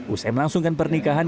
usai melangsungkan pernikahan